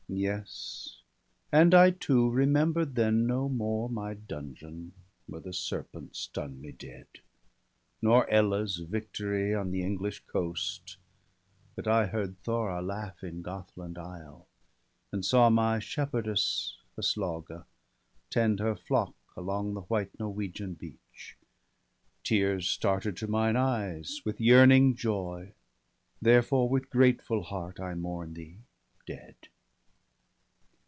Yes, and I, too, remember'd then no more My dungeon, where the serpents stung me dead, Nor Ella's victorv on the Eno^lish coast — But I heard Thora laugh in Gothland Isle, And saw my shepherdess, Aslauga, tend Her flock along the white Norwegian beach. Tears started to mine eyes with yearning joy. Therefore with grateful heart I mourn thee dead.'